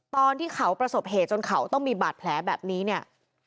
ตอนที่เขาประสบเหตุจนเขาต้องมีบาดแผลแบบนี้เนี่ย